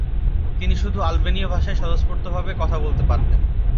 তিনি শুধু আলবেনীয় ভাষায় স্বতঃস্ফূর্তভাবে কথা বলতে পারতেন।